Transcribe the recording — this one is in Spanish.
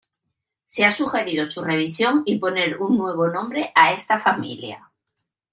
Se ha sugerido su revisión y poner un nuevo nombre a esta familia.